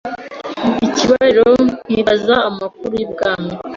Ikibariro nkibaza amakuru y’i Bwami